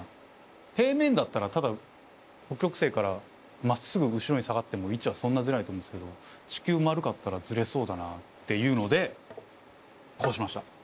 平面だったらただ北極星からまっすぐ後ろに下がっても位置はそんなズレないと思うんすけど地球丸かったらズレそうだなっていうのでこうしました。